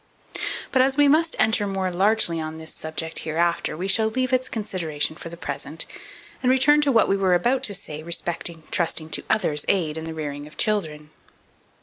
2449. But as we must enter more largely on this subject hereafter, we shall leave its consideration for the present, and return to what we were about to say respecting trusting to others' aid in the rearing of children.